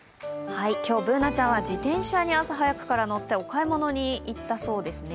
今日、Ｂｏｏｎａちゃんは自転車に朝早くから乗ってお買い物に行ったそうです。